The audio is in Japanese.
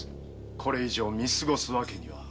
これ以上見過ごすわけには。